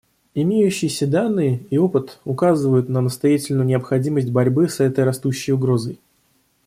Имеющиеся данные и опыт указывают на настоятельную необходимость борьбы с этой растущей угрозой.